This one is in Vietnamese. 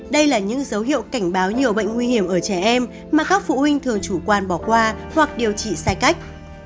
đây là những dấu hiệu cảnh báo nhiều bệnh nguy hiểm ở trẻ em mà các phụ huynh thường chủ quan bỏ qua hoặc điều trị sai cách